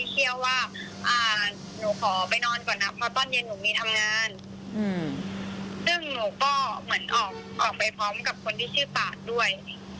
คนที่ชื่อป่าด้วย